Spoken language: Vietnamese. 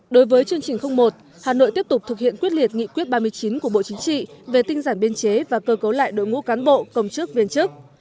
đối với chương trình một hà nội tiếp tục thực hiện quyết liệt nghị quyết ba mươi chín của bộ chính trị về tinh giản biên chế và cơ cấu lại đội ngũ cán bộ công chức viên chức